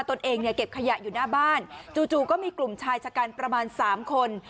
ตนเองเนี่ยเก็บขยะอยู่หน้าบ้านจู่ก็มีกลุ่มชายชะกันประมาณ๓คน